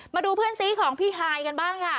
มาดูเพื่อนซีของพี่ฮายกันบ้างค่ะ